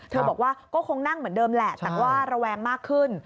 บอกว่าก็คงนั่งเหมือนเดิมแหละแต่ว่าระแวงมากขึ้น